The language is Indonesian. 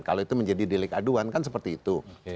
kalau itu menjadi delik aduan kan seperti itu